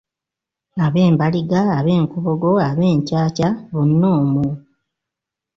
Ab'embaliga, ab'enkobogo, ab'encaaca, bonna omwo.